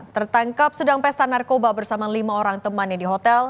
tertangkap sedang pesta narkoba bersama lima orang temannya di hotel